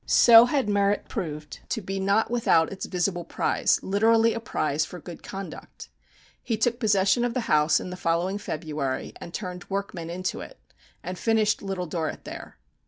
So had merit proved to be not without its visible prize, literally a prize for good conduct. He took possession of the house in the following February, and turned workmen into it, and finished "Little Dorrit" there.